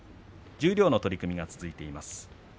十両の取組が続いています。